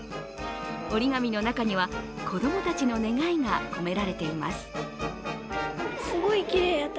折り紙の中には子供たちの願いが込められています。